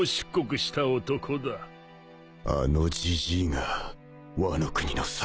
あのジジーがワノ国の侍